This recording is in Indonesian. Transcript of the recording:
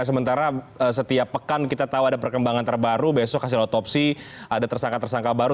sementara setiap pekan kita tahu ada perkembangan terbaru besok hasil otopsi ada tersangka tersangka baru